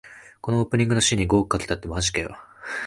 このオープニングのシーンに五億かけたってマジかよ